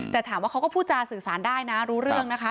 แต่ถามว่าเขาก็พูดจาสื่อสารได้นะรู้เรื่องนะคะ